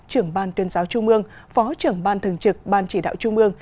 trưởng ban tuyên giáo trung ương phó trưởng ban thường trực ban chỉ đạo trung ương